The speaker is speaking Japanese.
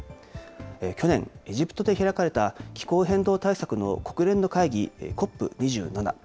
去年、エジプトで開かれた気候変動対策の国連の会議、ＣＯＰ２７。